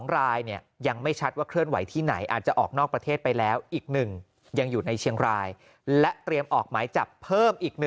๒รายยังไม่ชัดว่าเคลื่อนไหวที่ไหนอาจจะออกนอกประเทศไปแล้วอีก๑ยังอยู่ในเชียงรายและเตรียมออกหมายจับเพิ่มอีก๑